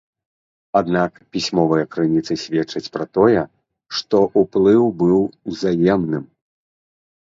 Аднак пісьмовыя крыніцы сведчаць пра тое, што ўплыў быў узаемным.